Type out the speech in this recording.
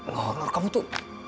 nur nur kamu tuh